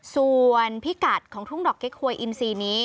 ส่วนพิกัดของทุ่งดอกเก๊กหวยอินซีนี้